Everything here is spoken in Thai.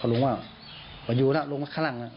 พระหลวงว่าอยู่แล้วลงข้างล่าง